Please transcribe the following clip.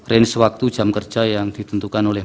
range waktu jam kerja yang ditentukan oleh